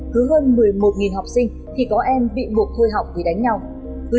cứ hơn một mươi một học sinh thì có em bị buộc thôi học vì đánh nhau